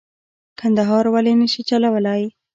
کندهار ولې نه شي چلولای.